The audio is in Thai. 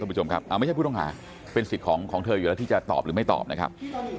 คุณผู้ชมครับไม่ใช่ผู้ต้องหาเป็นสิทธิ์ของเธออยู่แล้วที่จะตอบหรือไม่ตอบนะครับ